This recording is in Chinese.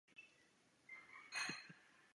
吴慰曾为道光二十七年丁未科二甲进士。